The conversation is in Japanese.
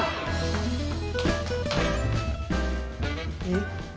えっ。